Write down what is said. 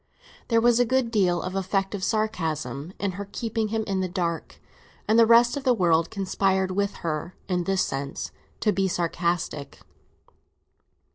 There was a good deal of effective sarcasm in her keeping him in the dark, and the rest of the world conspired with her, in this sense, to be sarcastic.